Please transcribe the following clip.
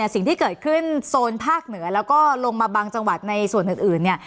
สิ่งที่เกิดขึ้นโซนภาคเหนือแล้วก็ลงมาบางจังหวัดในส่วนอื่นเนี่ย